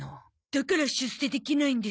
だから出世できないんですな。